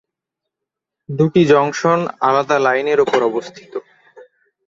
দুটি জংশন আলাদা লাইনের উপর অবস্থিত।